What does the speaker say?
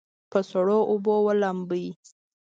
په سړو اوبو ولامبئ.